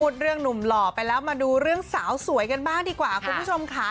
เรื่องหนุ่มหล่อไปแล้วมาดูเรื่องสาวสวยกันบ้างดีกว่าคุณผู้ชมค่ะ